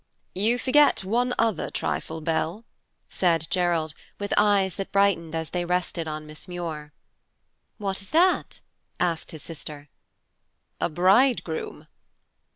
"You forget one other trifle, Bell," said Gerald, with eyes that brightened as they rested on Miss Muir. "What is that?" asked his sister. "A bridegroom."